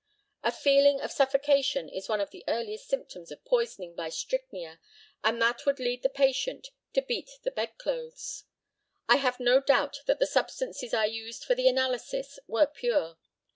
A feeling of suffocation is one of the earliest symptoms of poisoning by strychnia, and that would lead the patient to beat the bed clothes. I have no doubt that the substances I used for the analysis were pure.